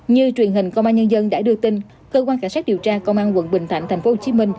như truyền hình công an nhân dân đã đưa tin cơ quan cảnh sát điều tra công an quận bình thạnh tp hcm